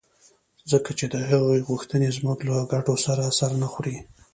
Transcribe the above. ځکه چې د هغوی غوښتنې زموږ له ګټو سره سر نه خوري.